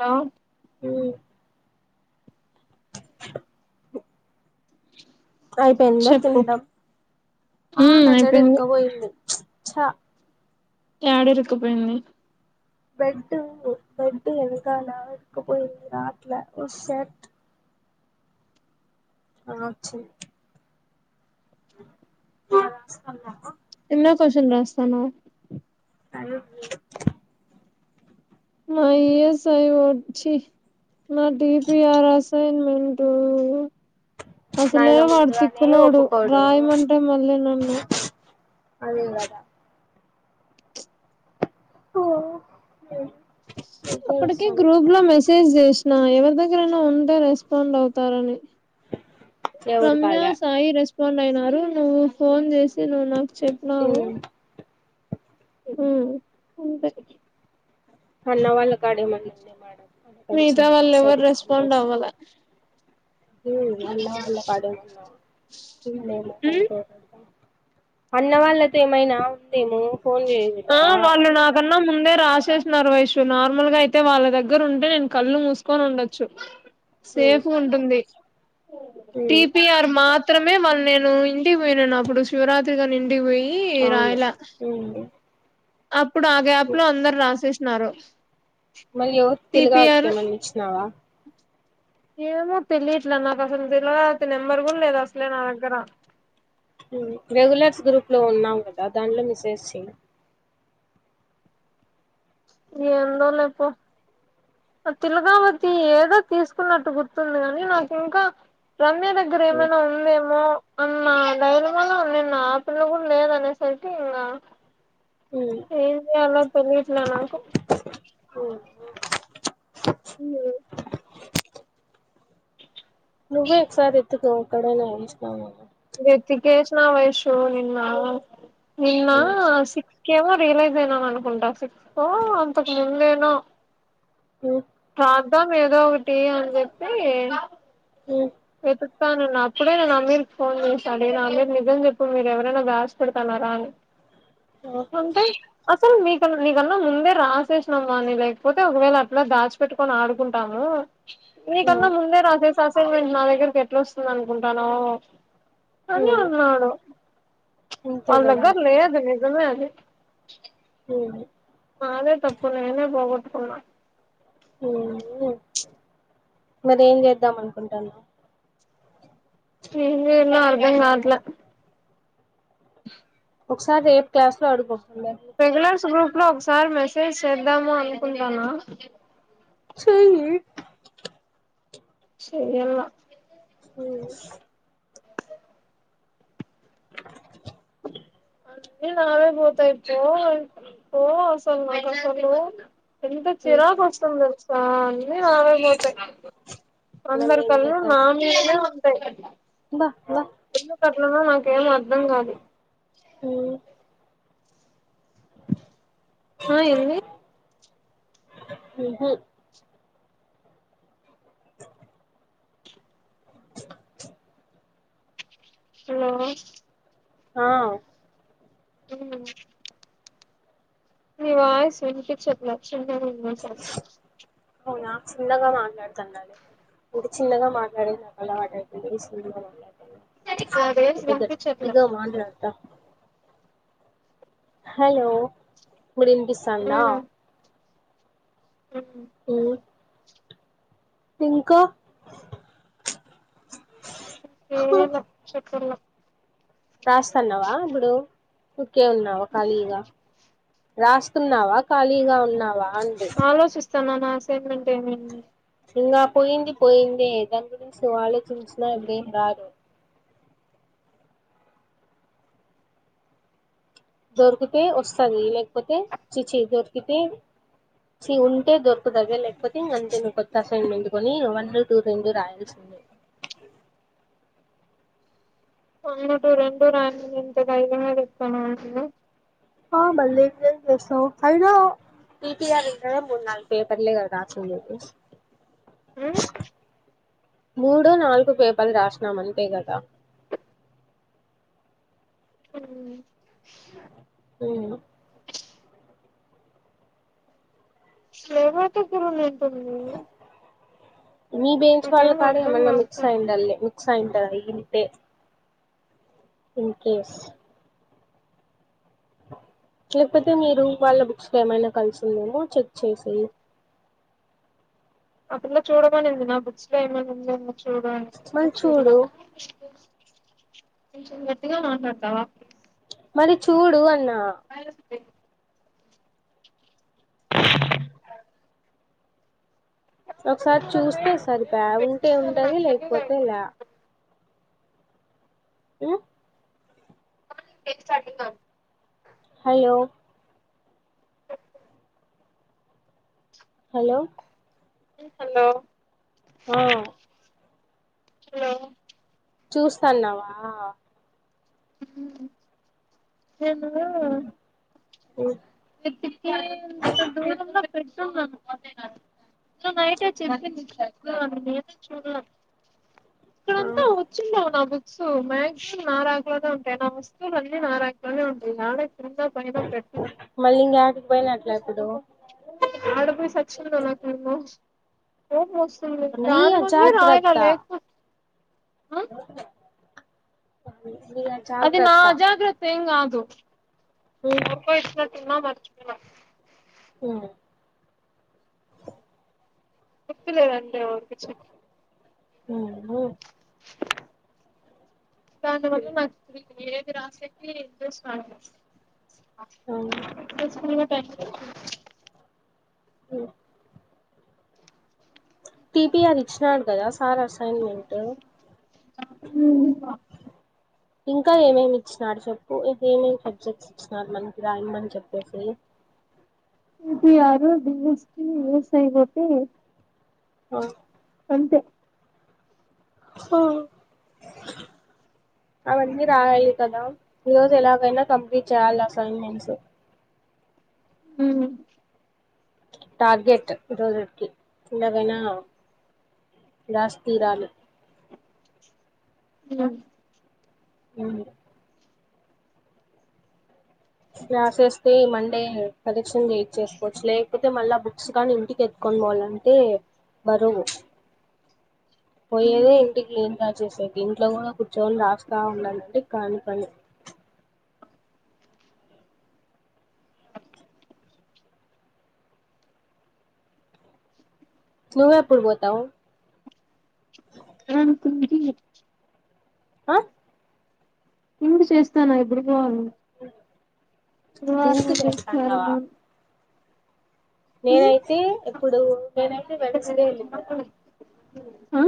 లో అయిపోయిందా చెప్పు తిండం ఉమ్ అయిపోయింది చ్చ యాడ ఇరక్కపోయింది బెడ్ బెడ్ వెనకాల ఇరక్కపోయింది, రావట్లే ఓ షట్ ఆహ్ వచ్చింది రాస్థాన్నావ ఎన్నో క్వశ్చన్ రాస్తన్నావ్ అ మా ఈఎస్ఐ వచ్చి నా డిపిఆర్ అసైన్మెంటు అసలే నాయన వాడు ముందుగానే తిక్కలోడు ఒప్పుకోడు రాయమంటే మళ్ళీ నన్ను అదే గదా కో అప్పటికి గ్రూప్ లో మెసేజ్ జేసినా ఎవరి దగ్గరైనా ఉంటే రెస్పాండ్ అవుతారని ఎవరి రమ్యా కాలే సాయి రెస్పాండ్ అయినారు నువ్వు ఫోన్ జేసి నువ్వు నాకు చెప్పినావు ఉమ్ ఉహ్ తొంభై అన్నా వాళ్ల కడా ఇమ్మనిందే మేడమ్ మిగతా వాళ్ళు ఎవరు రెస్పాండ్ అవ్వలే ఉహ్ అన్న వాళ్ల కడా ఏమో ఉన్నావ్ వీళ్లు ఏమో పని ఉమ్ చేయరు అంట అన్న వాళ్ళతో ఏమైనా ఉందేమో ఫోన్ ఆ చేయదులా వాళ్ళు నాకన్నా ముందే రాసి చేసినారు వైషు నార్మల్ గా అయితే వాళ్ళ దగ్గర ఉంటే నేను కళ్ళు మూసుకొని ఉండొచ్చు ఉమ్ సేఫ్గ్ ఉంటుంది ఉమ్ టీపిఆర్ మాత్ మాత్రమే వాళ్ళు నేను ఇంటికి పోయినాను అప్పుడు శివరాత్రిగని ఇంటికి పోయి అవును రాయలే ఉమ్ అప్పుడు ఆ గ్యాప్ లో అందరు రాసేసినారు మళ్లీ ఎవరికీ తెలుగు టిపిఆర్ కాక్యం ఏమన్నా ఇచ్చినావా ఏమో తెలియట్లా నాకు అసలు తెలవారితే నెంబరు కూడా లేదు అసలే నా దగ్గర రెగ్యులర్స్ గ్రూప్ లో ఉన్నాం కదా దాంట్లో మిసేజ్ చేయ్యి ఏందో లే పో ఆ తిలుకావతి ఏదో తీసుకున్నట్టు గుర్తుంది కాని నాకు ఇంకా రమ్య దగ్గర ఉమ్ ఏమైనా ఉందేమో అన్న ధైర్యం వల్ల నిన్న ఆ పిల్ల కూడా లేదనేసరికి ఇంగా ఉమ్ ఏం జేయాలో తెలీయట్లే నాకు ఇప్పుడే లేచినామా వ్యతికేసినా వైషు నిన్న నిన్నా ఉమ్ సిక్ కేమో రియలైజ్ అయినాం అనుకుంటా సిక్స్తో అంతకు ముందేనో ఉమ్ రాద్దం ఏదో ఒకటి అని చెప్పి ఉమ్ వెతుకుతానన్న అప్పుడే నేను అమీర్ కి ఫోన్ చేస్తాండేది అమీర్ నిజం చెప్పు మీరు ఎవరైనా రాస్ పెడతాను తార అని ఆఓ అంటే అసలు నీకన్నా నీకన్నా ముందే రాసేసినామ్మా అని లేకపోతే ఒకవేళ అట్లా దాచిపెట్టుకొని ఆడుకుంటాము నీకన్నా ఉమ్ ముందే రాసేసి అసైన్మెంట్ నా దగ్గరికి ఎట్లా వస్తుంది అనుకుంటానో అని ఉమ్ ఉన్నాడు అంతే వాళ్ళ కదా దగ్గర మళ్ళా లేదు నిజమే అది ఉ నాదే తప్పు నేనే పోగొట్టుకున్నా మరి ఏం చేద్దాం అనుకుంటానావు ఏం జేయాలో అర్థం కావట్లే ఒకసారి రేపు క్లాస్ లో అడుగు అందరిని రెగ్యులర్స్ గ్రూప్ లో ఒకసారి మెసేజ్ చేద్దాము అనుకుంటానా చేయి చేయ్యాల హమ్ [inaudible] అన్నీ నావే పోతాయ్ పో అసలు నాక్ అసలు ఎంత ఉమ్ చిరాకు వస్తుంది తెలుసా అన్ని నావేపోతాయ్ మళ్ళీ అందరి ఏం కళ్ళు చేద్దాం నామీదనే ఉంటయ్ బా బా ఎందుకట్లనో నాకేం అర్థం కాదు ఆ ఎంది ఉహు [inaudible] [inaudible] హలో ఆ ఉ నీ వాస్ వినిపించట్లే చిన్న గుంది అసలు అవునా చిన్నగా మాట్లాడుతున్నా ఇప్పుడు చిన్నగా మాట్లాడే నాకు అలవాటు అయిపొయింది చిన్నగా నాదేం మాట్లాడ వినిపించట్లే గట్టిగా మాట్లాడుతా హలో ఇప్పుడు వినీపొస్తదా ఉమ్ ఉమ్ మ్ ఇంకా ఎమో చెప్పుంగా రాస్తున్నావా ఇప్పుడు క్కే ఉన్నావా ఖాళీగా రాస్తున్నావా ఖాళీగా ఉన్నావా ఆందె రాస్తున్నానా అసెన్మెంట్ ఎమైంది మరి ఇంగా పోయింది పోయిందేదాని గురించి అలోచించిన ఇప్పుడే రాదు దొరికితే వస్తంది లేకపోతే చీచీ దొరికితే చి ఉంటే దొరకుతాది లేకపోతే అంతే కొత్త అసన్మెంట్కని వన్ టూ రెండు రాయాల్సి మె వన్ టూ రెండు రాయమని ఎంత ధెర్యం గా చెప్పానావ్ ఎంటిదే ఆ మళ్ళీ ఇప్పుడు ఎం చేస్తావు అయినా పిపిఆర్ంటే మూడు నాలుగు పేపర్లే గదా రాసింది మ్ మూడో నాలుగు పేపర్లు రాసినామంతే గదా ఉమ్ ఎమో హేమ దగ్గర ఉంది ఏంటుంది మీ బెయిచ్ వాళ్ళు కాడ ఏమన్నా మిక్స్ కావట్లే అయిండల్ మిక్స్ అయింటాది అంతే ఇన్కేస్ లేకపోతే మీరు వాళ్ళ బుక్స్ లో ఏమైనా కలిసి ఉందేమో చెక్ చేసేయి అపిల్లా చూడమని ఉంది నా బుక్స్ లో ఏమనా ఉందేమో చూడని మళ్ళీ చూడాల చూడు కొంచెం గట్టిగా మాట్లాడుతావా ప్ల్జ్ మళ్ళి చూడు అన్నా అబ్బాయిలకు ఇచ్చే ఒకసారి చూస్తే సరి పాయ్ ఉంటే ఉంటది లేకపోతే లే ఉ మొర్న్గ్ తెలుసా నీకు హలో హలో హలో ఆ హలో చూస్తాన్నావా ఏను అ ద ఇ నైట్ చెప్పింది నేను చూడ లె ఆ ఇక్కడంతా వచ్చిందేమో నా బుక్ స మాక్సిమం నారాకులగా ఉంటాయి నా వస్తువులున్నీ నారాకులగానే ఉంటాయి న రంగా ప ప్రట్ మళ్ళీ ఇంకేడికి పోయినట్లా ఇప్పుడు ఆడ పోయి సచ్చలాకుంద ఓ మస్తు నీ రాని వ అజాగ్రత్త రాయగాయిపో నీ అదే నా అజాగ్రత్త జాగ్రత్త హంగ్ ఎప్ప ఇష్ట తమ మర్చ ఆ ఉప్పులే రన్న పచ్చ హ దాని వల్ల నాకు ఏది రాసేట్ స్ార్ట్ స్ అవు టీపిఆర్ ఇచ్చినాడు కదా సార్ అసైన్మెంటు ఇంకా ఏమేమి ఇచ్చినాడు చెప్పు ఇం ఏమేమి సబ్జెక్ట్స్ ఇచ్చినాడు మనకి రా ఇమ్మని చెప్పేసి ఇది ఆరు వస్ వవసైపోతే ఆఓ అంతే హ అవన్నీ రాయి కదా ఈ రోజు ఎలాగైనా కంప్లీట్ చేయాలి అసైన్మెంట్స్ ఊ టార్గెట్ ఈ రోజుటికి ఇంగా పైనా రాసి తీరాలి [inaudible] ఊ రాసెస్తే ఈ మండే కరెక్షన్ చేయిచ్చేసుకోవచ్చు లేకపో తే మళ్ళా బుక్స్ కానీ ఇంటికెత్తుకోని పోవాలంటే బరువు పోయ్యేదే ఇంటికి లింకా చేసేకి ఇంట్లో కూడా కుచ్చోని రాస్తా ఉండాలంటే కాని పని నువ్వెప్పుడు పోతాత్ [inaudible] ఆ ఉండు చేస్తా నా ఎదురుగాన్ థింక్ బుధవారము చేస్తాన్నావా బేస్తవారము నేనైతే ఎప్పుడు నేనైతే వెన్సడే ఎళ్ళిపోతా ఆ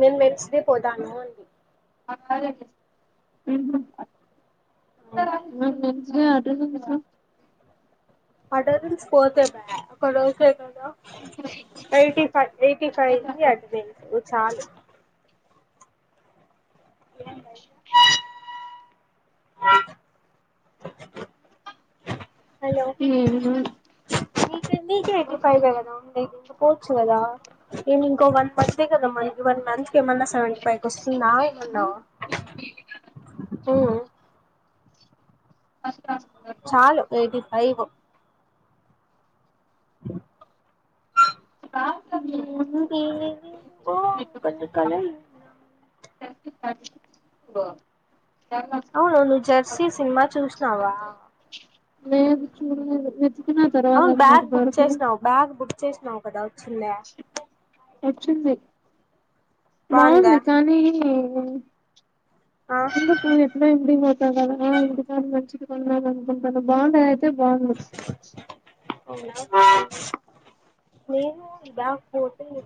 నేను వెన్స్ డే పోతాను అంటి [inaudible] ఊహూ నాకు నుంచి అటెండెన్సు అటెండెన్స్ పోతేదా ఒక్క రోజు కదా ఎయిటీ ఫైవ్ ఎయిటీ ఫైవ్ ని అది చాలా [inaudible] [inaudible] [inaudible] హలో ఏమో నక నకంటి పయి బగదా ఉందగి పోవచ్చు కదా ఏమి ఇంకో వన్ మంత్ ఎ కదా మనకి వన్ మంత్ ఏమన్నా సెవెంట ఫైవ్ కొవస్న్ ఏమన్నా చాలు ఎయిటీ ఫైవ్ [inaudible] కొన్ని కాలలు [inaudible] అవును నువ్వు జెర్సీ సినిమా చూసినావా లేదు చూడలేదు వెతికినా తర్వాత నాకు దొరకలే చేేస్నవు కద వచ్చిల్లె నచ్చింది, బాగుందా బాగుంది కానీ ఆ ఎ పో ఎట్డ అయ్యింది కదా ఇంటికాన మంచిది కొన్నాలనుకుంటున్న బాగున్నాయ్తే బోన్నా అవును, నేను ఇలా హోటల్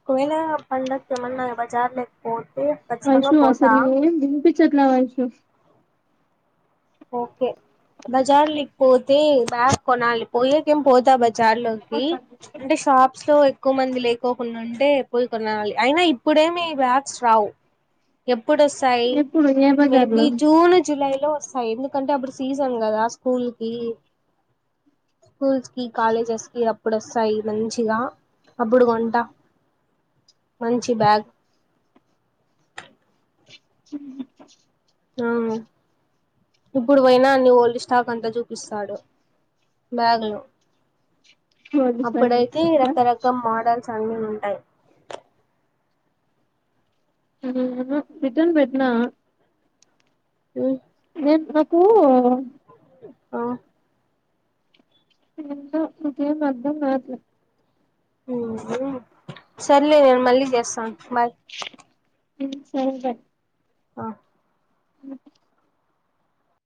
ఒకవేళ పండకేమన్నా బజార్లే కోల్ ఐషు అసల్ ఎం వినిపిచట్ల ఐషు ఓకే బజార్లిక్ పోతే బ్యాగ్ కొనాలి పోయకేం పోత బజ్ జార్లోకి అంటే షాప్స్ లో ఎక్కువ మంది లేకోకుండా ఉంటే పోయి కొనాలి, అయిన ఇప్పుడేమి బ్యాగ్స్ రావు ఎప్పుడొస్తయి ఎప్పుడు ఏ బజార్ మేబి లో జూన్ జులై ఒస్తాయి ఎందుకంటే అప్పుడు సీజన్ కదా స్కూల్ కి స్కూల్స్కి కాలేజెస్కి అప్పుడొస్తాయి మంచిగా, అప్పుడు కొంట మంచి బ్యాగ్ [inaudible] అ, ఇప్పుడు పోయిన అన్ని ఓల్డ్ స్టాక్ అంతా చూపిస్తాడు బ్యాగ్లో రోడ్డు సైడ్ అప్పుడైతే రకరక మోడల్ అన్ని ఉంటాయ్ హా రిటర్న్ పెట్నా ఉ ఎం నకూ అ ఎంత నీకేమర్దం కాట్లే ఉహు, సర్లే నే మళ్ళీ చేస్త బాయ్ మ్ సరె సర్ అ హా